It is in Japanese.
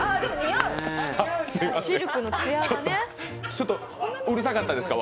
ちょっとうるさかったですか？